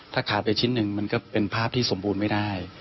ถ้าขาดไปชิ้นหนึ่งมันก็เป็นภาพที่สมบูรณ์ไม่ได้